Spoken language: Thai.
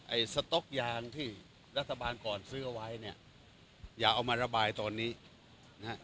สต๊อกยางที่รัฐบาลก่อนซื้อเอาไว้เนี่ยอย่าเอามาระบายตอนนี้นะฮะ